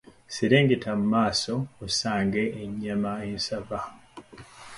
Serengeta wa mmanga osange ennyama ensava.